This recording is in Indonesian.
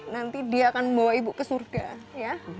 nanti dia akan membawa ibu ke surga ya